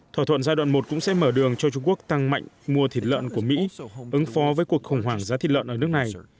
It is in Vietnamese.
thỏa thuận giai đoạn một cũng sẽ mở đường cho trung quốc tăng mạnh mua thịt lợn của mỹ ứng phó với cuộc khủng hoảng giá thịt lợn ở nước này